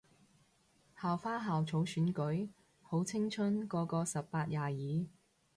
校花校草選舉？好青春個個十八廿二